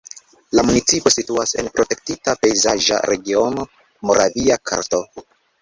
La municipo situas en protektita pejzaĝa regiono Moravia karsto.